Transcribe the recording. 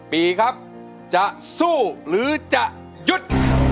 ปีครับจะสู้หรือจะหยุด